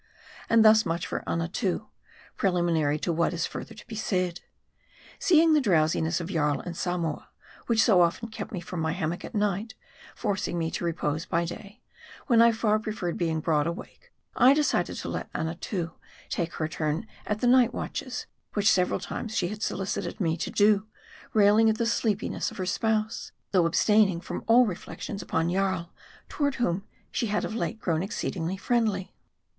And thus much for Annatoo, preliminary to what is further to be said. Seeing the drowsiness of Jarl and Samoa, which so often kept me from my hammock at night, forcing me to repose by day, when I far preferred being broad awake, I decided to let Annatoo take her turn at the night watches; which several times she had solicited me to do ; railing at the sleepiness of her spouse ; though abstain ing from all reflections upon Jarl, toward whom she had of late grown exceedingly friendly.